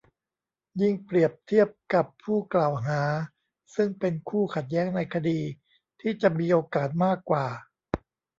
ยิ่งเปรียบเทียบกับผู้กล่าวหา ซึ่งเป็นคู่ขัดแย้งในคดี ที่จะมีโอกาสมากกว่า